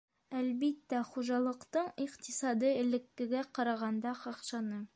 Әлбиттә, хужалыҡтың иҡтисады элеккегә ҡарағанда ҡаҡшаны.